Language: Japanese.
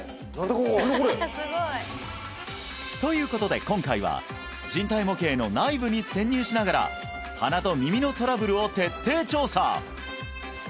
これということで今回は人体模型の内部に潜入しながら鼻と耳のトラブルを徹底調査！